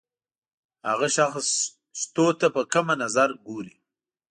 هغه شخص شتو ته په کمه سترګه ګوري.